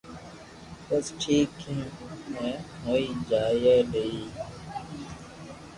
بس ٺيڪ ھي جي ھي ھوئي ليئي